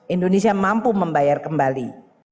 indonesia mampu membayar kembali